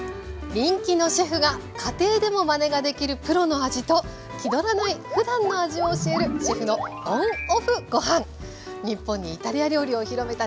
人気のシェフが家庭でもまねができるプロの味と気取らないふだんの味を教える日本にイタリア料理を広めた